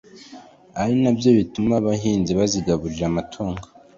ari nabyo bituma bahinzi bazigaburira amatungo